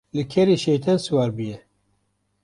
Li kerê şeytên siwar bûye.